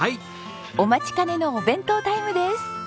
お待ちかねのお弁当タイムです！